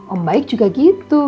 om baik juga gitu